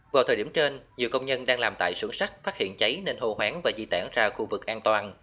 vào thời điểm trên nhiều công nhân đang làm tại xưởng sắt phát hiện cháy nên hô hoáng và di tản ra khu vực an toàn